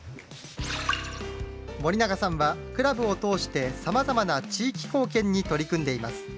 森永さんはクラブを通して、さまざまな地域貢献に取り組んでいます。